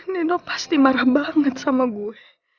neno pasti marah banget sama gue